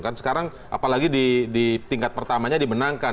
kan sekarang apalagi di tingkat pertamanya dimenangkan